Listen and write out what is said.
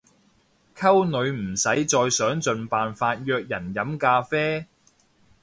溝女唔使再想盡辦法約人飲咖啡